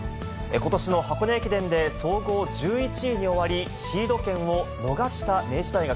ことしの箱根駅伝で、総合１１位に終わり、シード権を逃した明治大学。